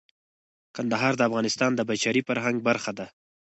کندهار د افغانستان د بشري فرهنګ برخه ده.